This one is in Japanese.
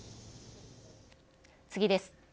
次です。